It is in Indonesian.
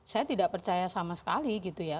saya tidak percaya sama sekali gitu ya